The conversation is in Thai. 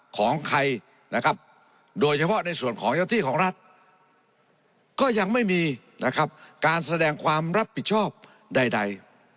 ของใครนะครับโดยเฉพาะในส่วนของเจ้าที่ของรัฐก็ยังไม่มีนะครับการแสดงความรับผิดชอบใด